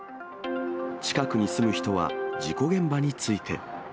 近くに住む人は事故現場について。